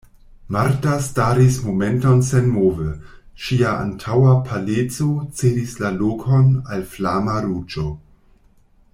Marta staris momenton senmove, ŝia antaŭa paleco cedis la lokon al flama ruĝo.